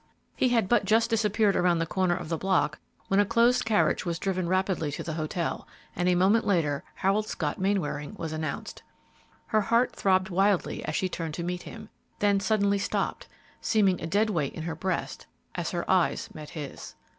He had but just disappeared around the corner of the block when a closed carriage was driven rapidly to the hotel, and a moment later Harold Scott Mainwaring was announced. Her heart throbbed wildly as she turned to meet him, then suddenly stopped, seeming a dead weight in her breast, as her eyes met his.